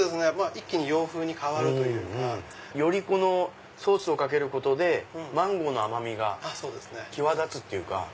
一気に洋風に変わるというか。よりソースをかけることでマンゴーの甘みが際立つというか。